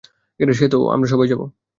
তো, আমরা সবাই যাবো?